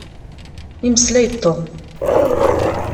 Imeslay-d Tom.